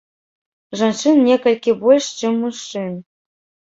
Жанчын некалькі больш чым мужчын.